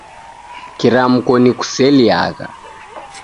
Kiramko nikuseliagha